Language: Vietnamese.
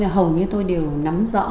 hầu như tôi đều nắm rõ